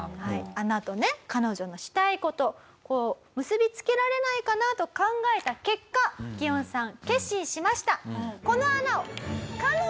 穴とね彼女のしたい事こう結びつけられないかなと考えた結果ギオンさん決心しました。